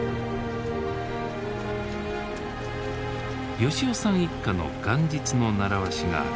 吉男さん一家の元日の習わしがある。